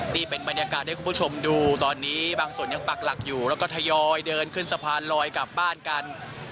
นี่เป็นบรรยากาศให้คุณผู้ชมดูตอนนี้บางส่วนยังปักหลักอยู่แล้วก็ทยอยเดินขึ้นสะพานลอยกลับบ้านกัน